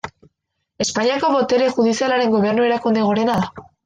Espainiako botere judizialaren gobernu-erakunde gorena da.